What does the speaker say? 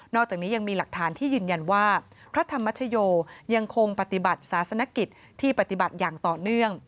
อกจากนี้ยังมีหลักฐานที่ยืนยันว่าพระธรรมชโยยังคงปฏิบัติศาสนกิจที่ปฏิบัติอย่างต่อเนื่อง